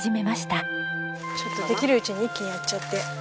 できるうちに一気にやっちゃって。